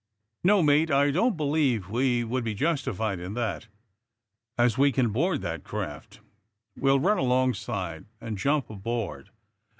No, mate; I don't believe \\e would be justi fied in that, as we can board that craft. We'll run alongside and jump aboard.